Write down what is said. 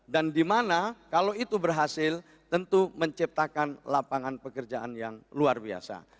dan dimana kalau itu berhasil tentu menciptakan lapangan pekerjaan yang luar biasa